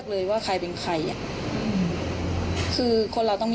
เขาหึง